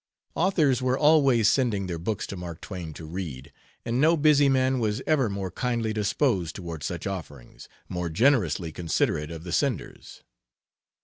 Authors were always sending their books to Mark Twain to read, and no busy man was ever more kindly disposed toward such offerings, more generously considerate of the senders.